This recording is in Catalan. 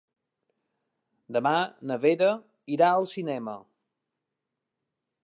Demà na Vera irà al cinema.